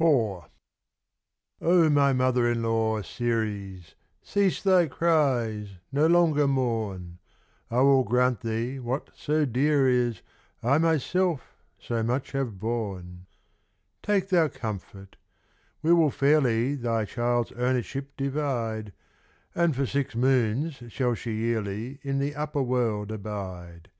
Oh, my mother in law, Ceres, Cease thy cries, no longer mourn. I will grant thee, what so dear is, I myself so much have borne. Take thou comfort. We will fairly Thy child's ownership divide; And for six moons shall she yearly In the upper world abide.